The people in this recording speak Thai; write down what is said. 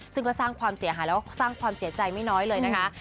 ซึ่งก็สร้างความเสียหายแล้วสร้างความเสียใจไม่น้อยเลยนะคะ